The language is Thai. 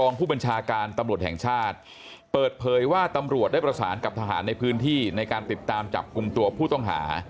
ผู้บัญชาการตำรวจแห่งชาติเปิดเผยว่าตำรวจได้ประสานกับทหารในพื้นที่ในการติดตามจับกลุ่มตัวผู้ต้องหา